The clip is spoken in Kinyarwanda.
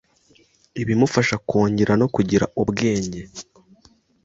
ibimufasha kongera no kugira ubwenge,